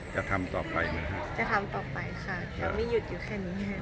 จะทำต่อไปค่ะจะไม่หยุดอยู่แค่นี้ค่ะ